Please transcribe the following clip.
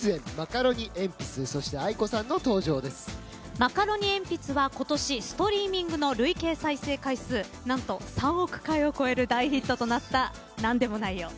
マカロニえんぴつは今年ストリーミングの累計再生回数何と３億回を超える大ヒットとなった「なんでもないよ、」